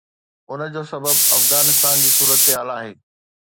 ان جو سبب افغانستان جي صورتحال آهي.